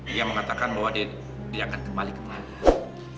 dia mengatakan bahwa dia akan kembali kembali